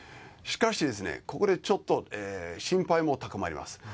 しかし、ここでちょっと心配も高まります。